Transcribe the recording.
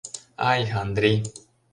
Ай, Андри!